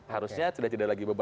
harusnya tidak tidak lagi berubah